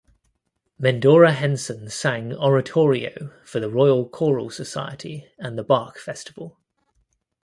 Medora Henson sang oratorio for the Royal Choral Society and the Bach Festival.